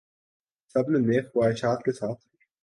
سب نے نیک خواہشات کے ساتھ